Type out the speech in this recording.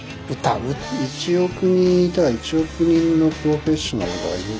１億人いたら１億人のプロフェッショナルがいる。